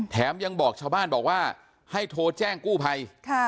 แถมยังบอกชาวบ้านบอกว่าให้โทรแจ้งกู้ภัย